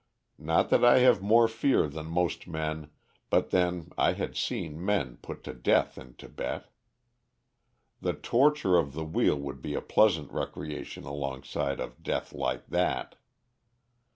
Not that I have more fear than most men, but then I had seen men put to death in Tibet. The torture of the wheel would be a pleasant recreation alongside of death like that.